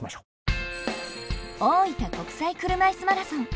大分国際車いすマラソン。